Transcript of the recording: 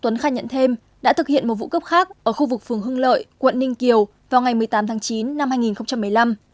tuấn khai nhận thêm đã thực hiện một vụ cướp khác ở khu vực phường hưng lợi quận ninh kiều vào ngày một mươi tám tháng chín năm hai nghìn một mươi năm